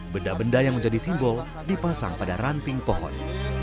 benda benda yang menjadi simbol dipasang pada ranting pohon